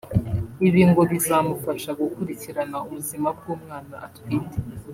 Ibi ngo bizamufasha gukurikirana ubuzima bw’umwana atwite